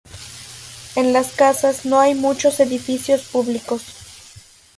En las Casas no hay muchos edificios públicos.